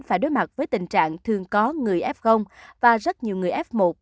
phải đối mặt với tình trạng thường có người f và rất nhiều người f một